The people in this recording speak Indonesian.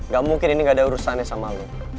gak mungkin ini gak ada urusan yang sama lo